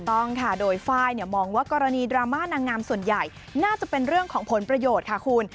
ต้องค่ะโดยไฟล์มองว่ากรณีดราม่านางงามส่วนใหญ่น่าจะเป็นเรื่องของผลประโยชน์ค่ะคุณ